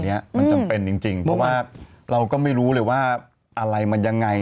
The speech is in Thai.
เนี้ยมันจำเป็นจริงเพราะว่าเราก็ไม่รู้เลยว่าอะไรมันยังไง